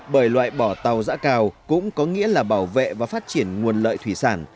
bởi loại bỏ tàu giã cào cũng có nghĩa là bảo vệ và phát triển nguồn lợi thủy sản